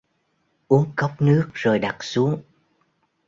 Uống cốc nước rồi đặt xuống